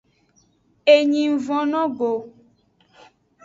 Enyi ng von no go.